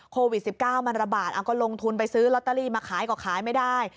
โควิด๑๙มันระบาดเอาก็ลงทุนไปซื้อลอตเตอรี่มาขายก็ขายไม่ได้